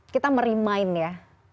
kita merimain ya